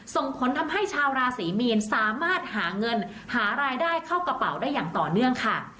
ส่งผลทำให้ชาวราศรีมีนสามารถหาเงินหารายได้เข้ากระเป๋าได้อย่างต่อเนื่องค่ะ